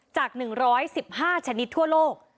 จาก๑๑๕ชนิดทั่วโลก